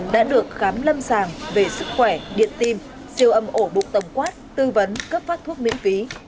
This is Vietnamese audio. đã được khám lâm sàng về sức khỏe điện tim siêu âm ổ bụng tổng quát tư vấn cấp phát thuốc miễn phí